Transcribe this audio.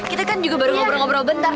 kita kan juga baru ngobrol ngobrol bentar